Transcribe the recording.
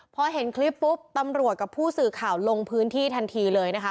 พอเห็นคลิปปุ๊บตำรวจกับผู้สื่อข่าวลงพื้นที่ทันทีเลยนะคะ